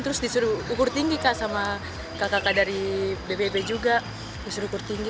terus disuruh ukur tinggi kah sama kakak kakak dari bbb juga disuruh ukur tinggi